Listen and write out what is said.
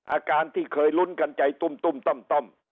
อาการที่เคยลุ้นกันใจตุ้มตุ้มต้มต้ม